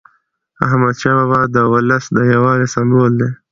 احمدشاه بابا د ولس د یووالي سمبول دی.